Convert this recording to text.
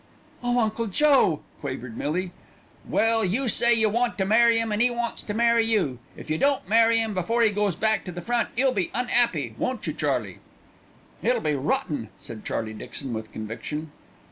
"Oh, Uncle Joe!" quavered Millie. "Well, you say you want to marry 'im, and 'e wants to marry you. If you don't marry 'im before 'e goes back to the front, 'e'll be un'appy, won't you, Charlie?" "It will be rotten," said Charlie Dixon with conviction.